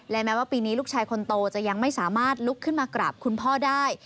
และแม้ว่าปีนี้ลูกชายคนโตจะยังไม่สามารถลุกขึ้นมากราบคุณพ่อได้